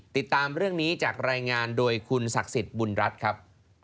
ติดตามเรื่องนี้จากรายงานโดยคุณศักดิ์สิทธิ์บุญรัฐครับ